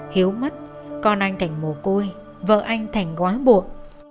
hiếu mất con anh thành mồ côi vợ anh thành quá buộc